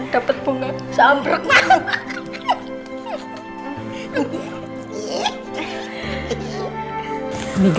dapet bunga samba